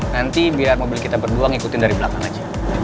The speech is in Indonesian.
nanti biar mobil kita berdua ngikutin dari belakang aja